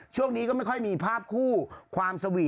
ช่วงนี้ก็ไม่ค่อยมีภาพคู่ความสวีท